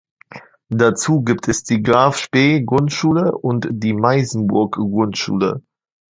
Dazu gibt es die Graf-Spee-Grundschule und die Meisenburg-Grundschule.